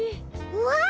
うわ！